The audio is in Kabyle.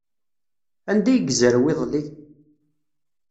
Anda ay yezrew iḍelli?